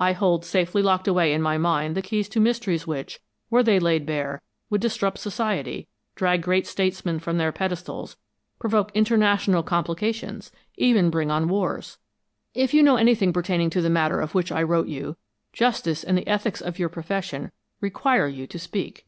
I hold safely locked away in my mind the keys to mysteries which, were they laid bare, would disrupt society, drag great statesmen from their pedestals, provoke international complications, even bring on wars. If you know anything pertaining to the matter of which I wrote you, justice and the ethics of your profession require you to speak."